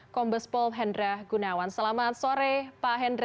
kombespol hendra gunawan selamat sore pak hendra